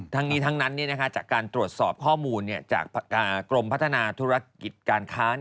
ทั้งนี้ทั้งนั้นจากการตรวจสอบข้อมูลจากกรมพัฒนาธุรกิจการค้า